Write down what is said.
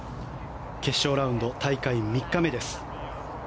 決勝ラウンド、大会３日目です。